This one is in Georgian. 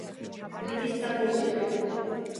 ცხენი მიდის და გოგდება